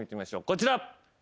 こちら。